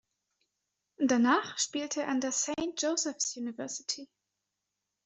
Danach spielte er an der Saint Joseph’s University.